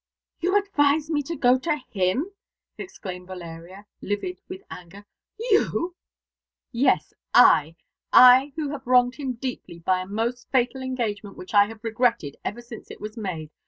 "You advise me to go to him!" exclaimed Valeria, livid with anger. "You!" "Yes, I I, who have wronged him deeply by a most fatal engagement which I have regretted ever since it was made.